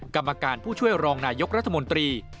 กรรมการผู้ช่วยรองนายกรัฐมนตรี